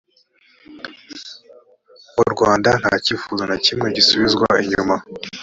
mu rwanda nta cyifuzo na kimwe gisubizwa inyuma.